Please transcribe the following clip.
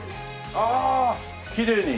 ああきれいに。